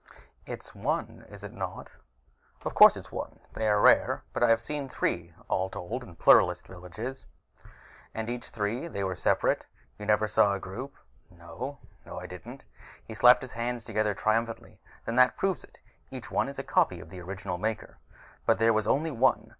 "It's one, is it not?" "Of course it's one. They are rare, but I have seen three, all told, in Pluralist villages." "And each time they were separate? You never saw a group?" "No. No, I didn't." He slapped his hands together triumphantly. "Then that proves it. Each is a copy of the original Maker, but there was only one.